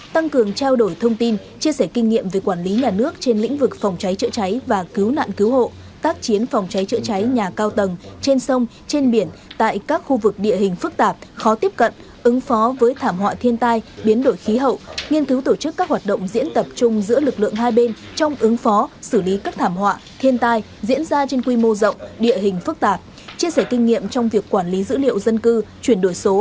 tăng cường trao đổi thông tin chia sẻ kinh nghiệm về quản lý nhà nước trên lĩnh vực phòng cháy trợ cháy và cứu nạn cứu hộ tác chiến phòng cháy trợ cháy nhà cao tầng trên sông trên biển tại các khu vực địa hình phức tạp khó tiếp cận ứng phó với thảm họa thiên tai biến đổi khí hậu nghiên cứu tổ chức các hoạt động diễn tập chung giữa lực lượng hai bên trong ứng phó xử lý các thảm họa thiên tai diễn ra trên quy mô rộng địa hình phức tạp chia sẻ kinh nghiệm trong việc quản lý dữ liệu dân cư chuy